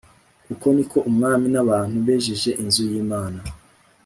uko ni ko umwami n’abantu bejeje inzu y’imana